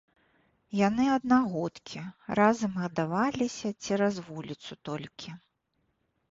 Яны аднагодкі, разам гадаваліся, цераз вуліцу толькі.